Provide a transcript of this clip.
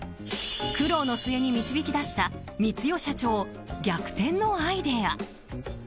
苦労の末に導き出した光代社長逆転のアイデア。